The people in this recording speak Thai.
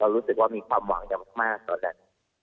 เรารู้สึกว่ามีความหวังอยู่มากโดดนั่น